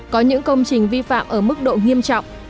có những công trình vi phạm ở mức độ nghiêm trọng